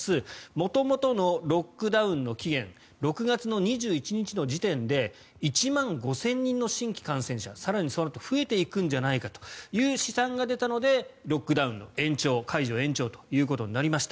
元々のロックダウンの期限６月２１日の時点で１万５０００人の新規感染者更にそのあと増えていくんじゃないかという試算が出たのでロックダウンの解除、延長ということになりました。